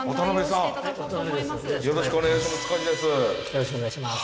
よろしくお願いします。